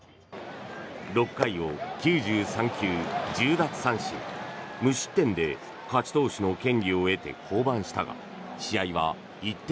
６回を９３球１０奪三振無失点で勝ち投手の権利を得て降板したが試合は１点